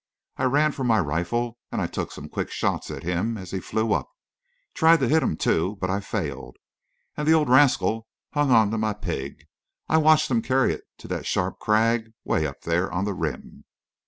I ran for my rifle, and I took some quick shots at him as he flew up. Tried to hit him, too, but I failed. And the old rascal hung on to my pig. I watched him carry it to that sharp crag way up there on the rim."